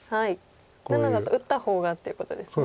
７だと打った方がっていうことですね。